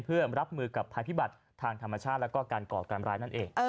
เพื่อรับมือกับภัยพิบัติทางธรรมชาติแล้วก็การก่อการร้ายนั่นเอง